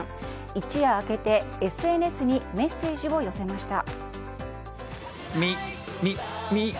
一夜明けてＳＮＳにメッセージを寄せました。